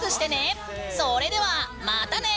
それではまたね！